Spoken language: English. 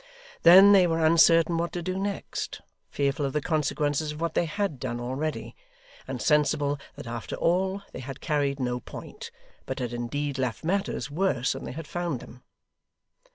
Then they were uncertain what to do next, fearful of the consequences of what they had done already, and sensible that after all they had carried no point, but had indeed left matters worse than they had found them.